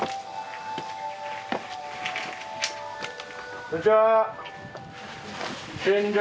こんにちは。